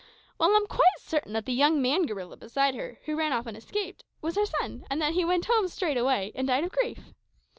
Well, I'm quite certain that the young man gorilla beside her, who ran off and escaped, was her son, and that he went home straightway and died of grief.